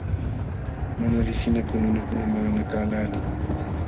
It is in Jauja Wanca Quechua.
Mana liqsinakuq nunakunam maqanakaqlaalin.